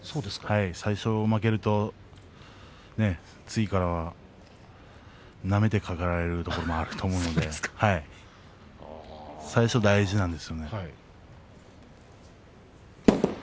最初負けると次からなめて、かかられることもあるので最初は大事なんです。